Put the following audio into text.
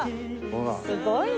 すごいな。